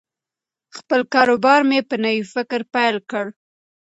خپل کاروبار مې په نوي فکر پیل کړ.